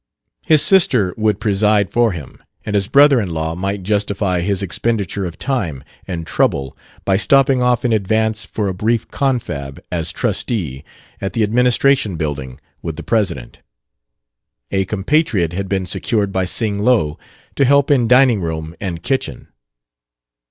His sister would preside for him; and his brother in law might justify his expenditure of time and trouble by stopping off in advance for a brief confab, as trustee, at the administration building, with the president. A compatriot had been secured by Sing Lo to help in dining room and kitchen.